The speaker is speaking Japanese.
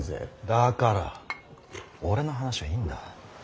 だから俺の話はいいんだ。